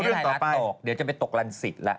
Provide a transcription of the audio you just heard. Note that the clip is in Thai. ตอนนี้ไทยรัฐตกเดี๋ยวจะไปตกรันศิลป์ละ